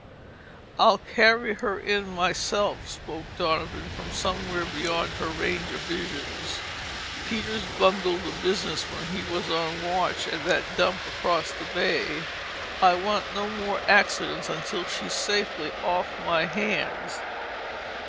"I'll carry her in myself," spoke Donovan from somewhere beyond her range of vision. "Peters bungled the business when he was on watch at that dump across the bay. I want no more accidents until she's safely off my hands."